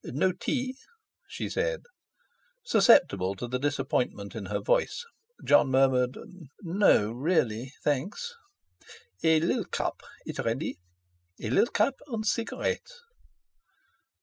"No tea?" she said. Susceptible to the disappointment in her voice, Jon murmured: "No, really; thanks." "A lil cup—it ready. A lil cup and cigarette."